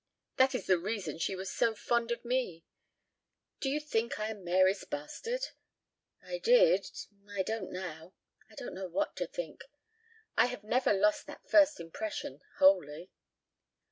That is the reason she was so fond of me. Do you think I am Mary's bastard?" "I did I don't now. ... I don't know what to think. ... I have never lost that first impression wholly."